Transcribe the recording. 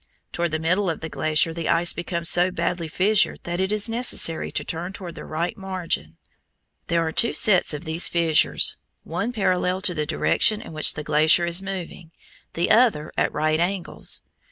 Toward the middle of the glacier the ice becomes so badly fissured that it is necessary to turn toward the right margin. There are two sets of these fissures, one parallel to the direction in which the glacier is moving, the other at right angles.